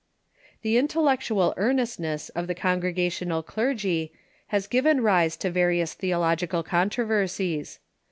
The intellectual earnestness of the Congregational clergy has given rise to various theological controversies.